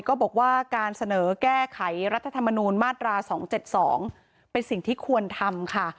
ก็บอกว่าการเสนอแก้ไขรัฐธรรมนูญมาตรา๒๗๒เป็นสิ่งที่ควรทำค่ะ